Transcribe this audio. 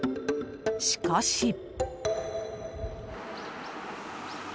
しかし。